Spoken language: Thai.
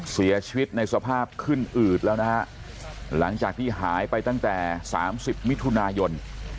เสียชีวิตในสภาพขึ้นอืดแล้วนะฮะหลังจากที่หายไปตั้งแต่๓๐มิถุนายน